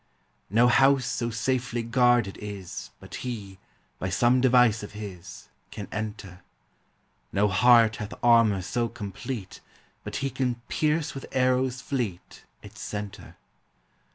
No house so safely guarded is But he, by some device of his, Can enter; No heart hath armor so complete But he can pierce with arrows fleet Its centre.